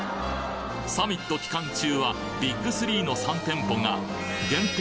サミット期間中はＢＩＧ３の３店舗が限定